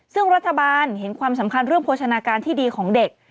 ซึ่งรัฐบาลเห็นความสำคัญเรื่องโภชนาการที่ดีของเด็ก